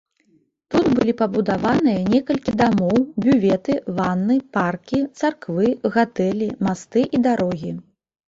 Тут былі пабудаваныя некалькі дамоў, бюветы, ванны, паркі, царквы, гатэлі, масты і дарогі.